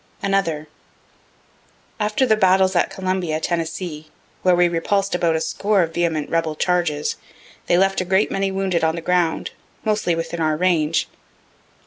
Another. After the battles at Columbia, Tennessee, where we repuls'd about a score of vehement rebel charges, they left a great many wounded on the ground, mostly within our range.